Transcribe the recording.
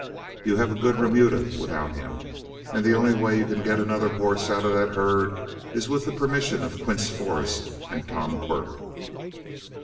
You have a good remuda without him, and the only way you can get another horse out of that herd is with the permission of Quince Forrest and Tom Quirk."